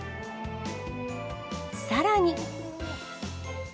さらに。